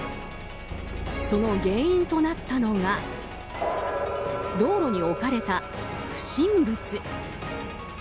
その原因となったのが道路に置かれた不審物。